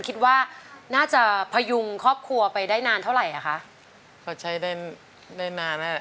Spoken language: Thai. เขาใช้ได้นานน่ะนะ